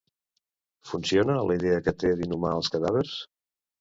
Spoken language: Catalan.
Funciona la idea que té d'inhumar els cadàvers?